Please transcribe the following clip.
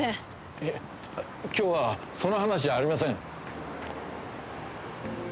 いえ、きょうはその話じゃありません。